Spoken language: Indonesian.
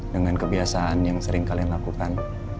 dengan kebiasaan yang sering kalian lakukan